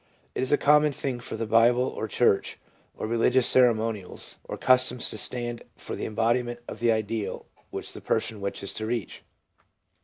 It is a common thing for the Bible, or church, or religious ceremonials, or customs to stand for the embodiment of the ideal which the person wishes to reach.